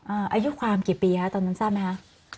อายุความกี่ปีคะตอนนั้นทราบไหมคะ